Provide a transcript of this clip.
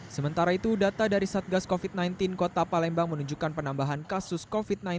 sementara itu data dari satgas covid sembilan belas kota palembang menunjukkan penambahan kasus covid sembilan belas